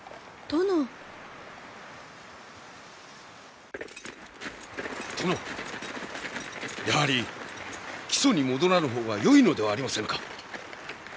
殿やはり木曽に戻らぬ方がよいのではありませぬか？